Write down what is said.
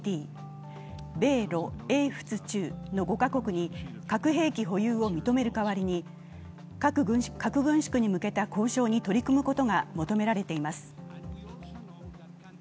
米ロ英仏中の５カ国に核兵器保有を認める代わりに核軍縮に向けた交渉に取り組むことが求められています。